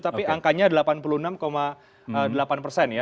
tapi angkanya delapan puluh enam delapan persen ya